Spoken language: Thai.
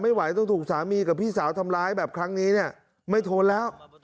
ไหวต้องถูกสามีกับพี่สาวทำร้ายแบบครั้งนี้เนี่ยไม่ทนแล้ว